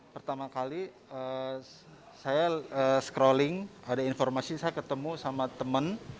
pertama kali saya scrolling ada informasi saya ketemu sama teman